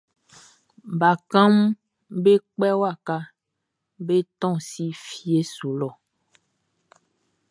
Bakanʼm be kpɛ waka be tɔn si fie su lɔ.